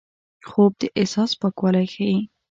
خوب د احساس پاکوالی ښيي